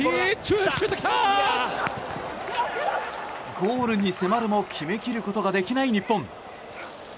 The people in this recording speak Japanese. ゴールに迫るも決めきることができない日本。